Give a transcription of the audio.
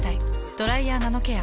「ドライヤーナノケア」。